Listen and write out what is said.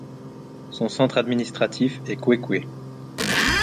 Son centre administratif est Kwekwe.